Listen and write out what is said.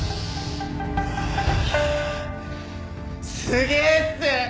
すげえっす！